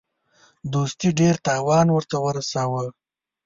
دوستي ډېر تاوان ورته ورساوه.